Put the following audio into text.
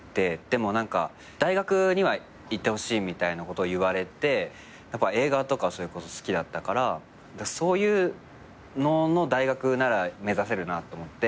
でも何か大学には行ってほしいみたいなことを言われてやっぱ映画とかそれこそ好きだったからそういうのの大学なら目指せるなと思って。